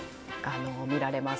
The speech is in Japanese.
見られます